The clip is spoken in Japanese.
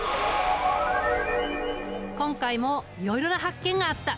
今回もいろいろな発見があった。